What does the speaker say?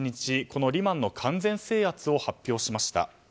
このリマンの完全制圧を発表しました。